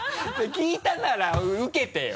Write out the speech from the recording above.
聞いたなら受けてよ。